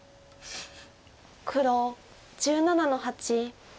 黒１７の八。